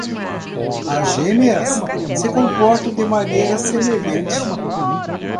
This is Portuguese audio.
As gêmeas se comportam de maneira semelhante